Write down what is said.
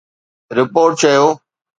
report چيو